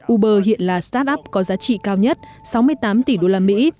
uber hiện là startup có giá trị cao nhất sáu mươi tám tỷ đô la mỹ